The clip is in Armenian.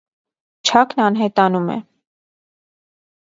Չակն անհետանում է։